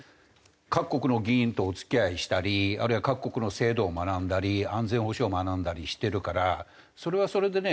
各国の議員とお付き合いしたりあるいは各国の制度を学んだり安全保障を学んだりしてるからそれはそれでね